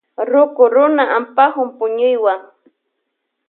Ruku runa ampakun puñuywan.